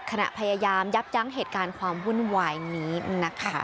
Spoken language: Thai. พยายามยับยั้งเหตุการณ์ความวุ่นวายนี้นะคะ